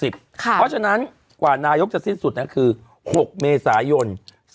เพราะฉะนั้นกว่านายกจะสิ้นสุดคือ๖เมษายน